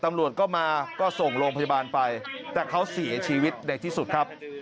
ตำรวจก็มาก็ส่งโรงพยาบาลไปแต่เขาเสียชีวิตในที่สุดครับ